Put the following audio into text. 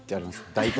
大体。